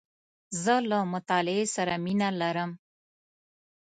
زه له مطالعې سره مینه لرم .